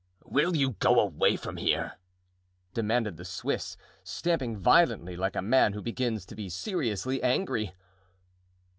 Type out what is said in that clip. "Will you go away from here?" demanded the Swiss, stamping violently, like a man who begins to be seriously angry.